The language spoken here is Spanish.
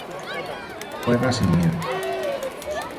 Juega sin miedo.